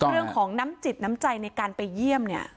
เรื่องของน้ำจิตน้ำใจในการไปเยี่ยมเนี่ย